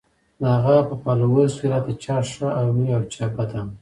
د هغه پۀ فالوورز کښې راته چا ښۀ اووې او چا بد اووې